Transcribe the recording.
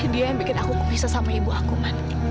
dia yang bikin aku kepisa sama ibu aku man